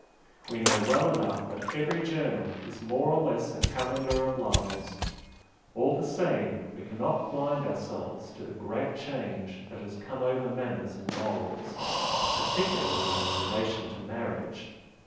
We know well enough that every journal is more or less a calendar of lies, all the same we cannot blind ourselves to the great change that has come over manners and morals particularly in relation to marriage.